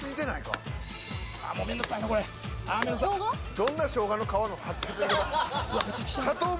どんなショウガの皮の削り方。